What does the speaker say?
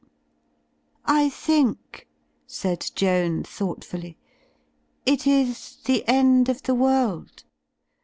"I think," said Joan, thoughtf uUy, "it is the End of the World."